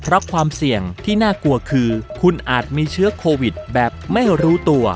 เพราะความเสี่ยงที่น่ากลัวคือคุณอาจมีเชื้อโควิดแบบไม่รู้ตัว